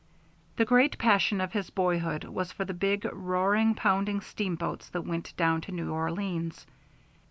The great passion of his boyhood was for the big, roaring, pounding steamboats that went down to New Orleans.